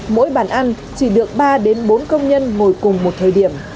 mỗi bàn ăn chỉ được ba bốn công nhân ngồi cùng một thời điểm